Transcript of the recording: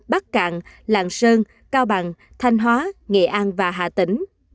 bắc cạn làng sơn cao bằng thanh hóa nghệ an và hạ tỉnh